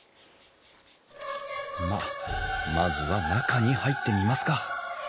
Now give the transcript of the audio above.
まあまずは中に入ってみますか。